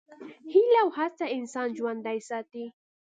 هیله او هڅه انسان ژوندی ساتي.